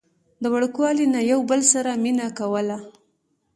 د وړوکوالي نه يو بل سره مينه کوله